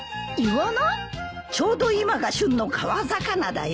ちょうど今が旬の川魚だよ。